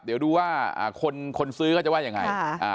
เดี๋ยวดูว่าอ่าคนคนซื้อก็จะว่าอย่างไรค่ะอ่า